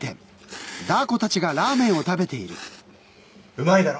うまいだろ？